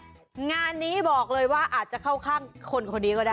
งานนี้บอกเลยว่าอาจจะเข้าข้างคนคนนี้ก็ได้